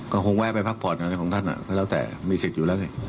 ก็คงแวะไปพักผ่อนอะไรของท่านก็แล้วแต่มีสิทธิ์อยู่แล้วสิ